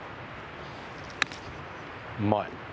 うまい。